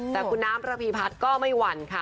แต่คุณน้ำระพีพัฒน์ก็ไม่หวั่นค่ะ